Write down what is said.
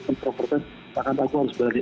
dan propertas bahkan aku harus berani